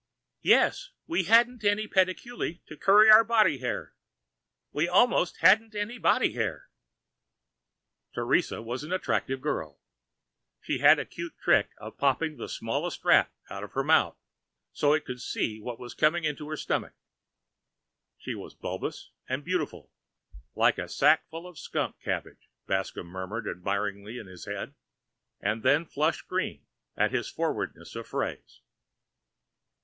"Yes, we hadn't even pediculi to curry our body hair. We almost hadn't any body hair." Teresa was an attractive girl. She had a cute trick of popping the smallest rat out of her mouth so it could see what was coming into her stomach. She was bulbous and beautiful. "Like a sackful of skunk cabbage," Bascomb murmured admiringly in his head, and then flushed green at his forwardness of phrase.